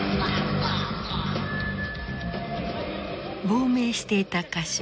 亡命していた歌手